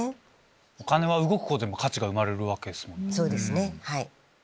お金は動くごとに価値が生まれるわけですもんね。